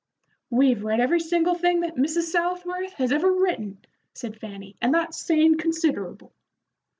"We've read every single thing that Mrs. Southworth has ever written," said Fanny, "and that's sayin' considerable."